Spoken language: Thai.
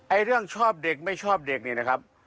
เรื่องชอบเด็กไม่ชอบเด็กนี่นะครับ